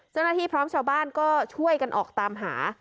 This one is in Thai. เจ้าหน้าที่พร้อมชาวบ้านก็ช่วยกันออกตามหา